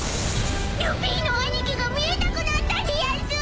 ［ルフィの兄貴が見えなくなったでやんす！］